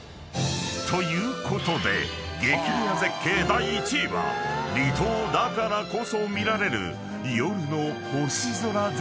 ［ということで激レア絶景第１位は離島だからこそ見られる夜の星空絶景でした］